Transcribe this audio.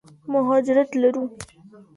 مهاجرت لرو.